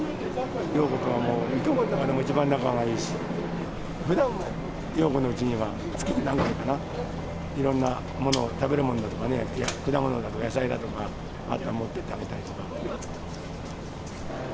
洋子とはもう、いとこの中でも一番仲がいいし、ふだんも洋子のうちには月に何回かな、いろんな食べるものだとか果物とか、野菜だとか、あったら持っていってあげたり。